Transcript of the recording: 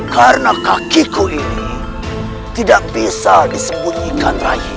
karena kakiku ini tidak bisa disembunyikan raih